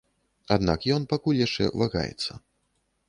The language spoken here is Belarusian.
Аднак ён пакуль яшчэ вагаецца.